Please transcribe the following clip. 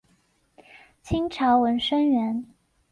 清朝文生员。